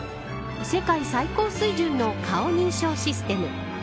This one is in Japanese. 世界最高水準の顔認証システム。